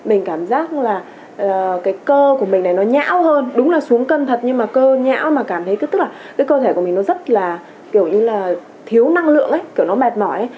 mình cảm giác là cái cơ của mình này nó nhão hơn đúng là xuống cân thật nhưng mà cơ nhão mà cảm thấy tức là cái cơ thể của mình nó rất là kiểu như là thiếu năng lượng ấy kiểu nó mệt mỏi